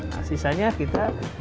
nah sisanya kita